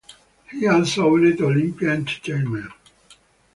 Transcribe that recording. He also owned Olympia Entertainment.